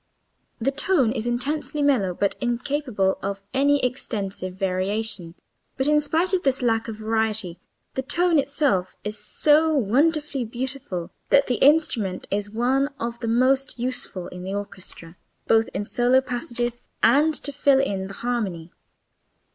The tone is intensely mellow but incapable of any extensive variation, but in spite of this lack of variety the tone itself is so wonderfully beautiful that the instrument is one of the most useful in the orchestra both in solo passages and to fill in the harmony.